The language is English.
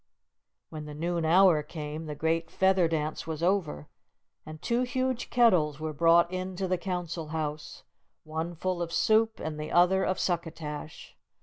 When the noon hour came, the great Feather Dance was over, and two huge kettles were brought in to the Council House, one full of soup, and the other of succotash.